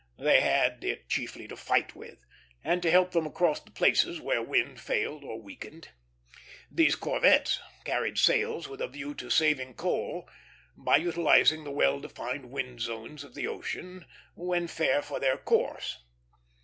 They had it chiefly to fight with, and to help them across the places where wind failed or weakened. These corvettes carried sails with a view to saving coal, by utilizing the well defined wind zones of the ocean when fair for their course.